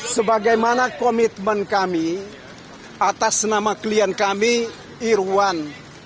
sebagaimana komitmen kami atas nama klien kami irwan